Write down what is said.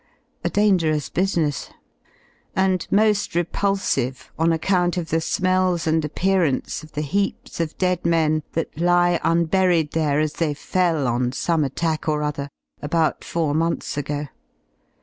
A dan ^j gerous business, and mo^ repulsive on account of the smellsA ^'^i,/^^ and appearance of the heaps of dead men that lie unburied <^ there as they fell, on some attack or other, about four( months ago.